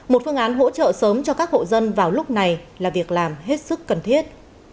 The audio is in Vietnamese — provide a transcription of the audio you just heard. một phương án hỗ trợ sớm cho các hộ dân vào lúc này là việc làm hết sức cần thiết